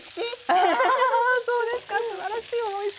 あそうですか。すばらしい思いつき。